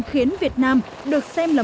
khiến việt nam được xem là